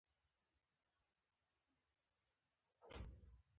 متقابل درناوی او فکري روداري پکې وي.